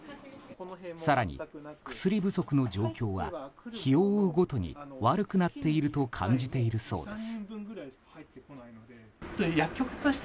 更に薬不足の状況は日を追うごとに悪くなっていると感じているそうです。